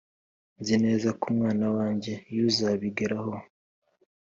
'nzi neza ko mwana wanjye yuzabigeraho